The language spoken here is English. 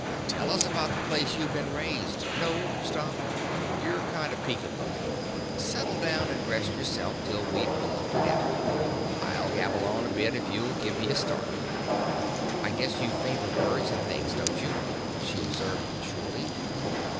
"Tell us about that place you've been raised. No, stop you're kind of peaked looking. Settle down an' rest yourself till we pull up for dinner. I'll gabble on a bit if you'll give me a starter." "I guess you favour birds an' things, don't you?" she observed, shrewdly.